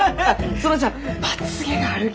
園ちゃんまつげがあるき。